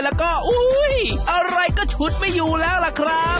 แล้วก็อุ้ยอะไรก็ฉุดไม่อยู่แล้วล่ะครับ